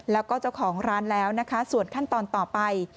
แล้วก็เจ้าของร้านแล้วนะคะส่วนขั้นตอนต่อไป